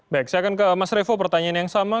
baik saya akan ke mas revo pertanyaan yang sama